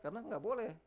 karena nggak boleh